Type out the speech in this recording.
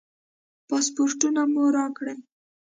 پاسپورټونه مو راکړئ.